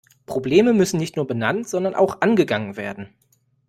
Probleme müssen nicht nur benannt, sondern auch angegangen werden.